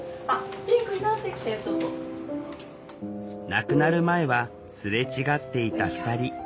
亡くなる前はすれ違っていた２人。